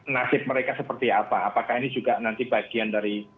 nasib mereka seperti apa apakah ini juga nanti bagian dari